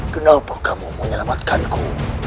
kenapa kamu menyelamatkanku